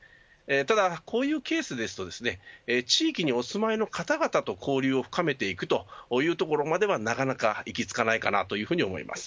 ただこういうケースですと地域にお住まいの方々と交流を深めていくというところまではなかなか行き着かないかなというふうに思います。